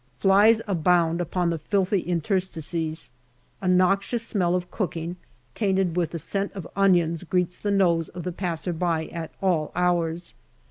Flies abound upon the filthy inter stices ; a noxious smell of cooking, tainted with the scent of onions, greets the nose of the passer by at all hours.